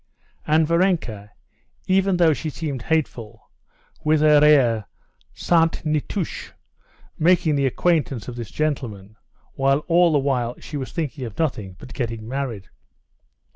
And Varenka, even she seemed hateful, with her air sainte nitouche making the acquaintance of this gentleman, while all the while she was thinking of nothing but getting married.